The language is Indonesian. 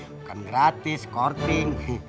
bukan gratis korting